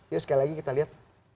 yuk sekali lagi kita lihat